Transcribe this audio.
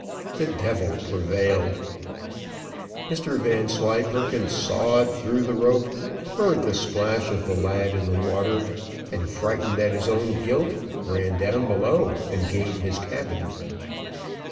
The devil prevailed. Mr Vanslyperken sawed through the rope, heard the splash of the lad in the water, and, frightened at his own guilt, ran down below, and gained his cabin.